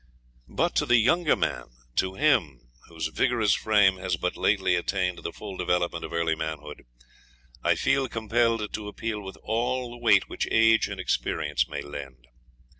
But to the younger man, to him whose vigorous frame has but lately attained the full development of early manhood, I feel compelled to appeal with all the weight which age and experience may lend.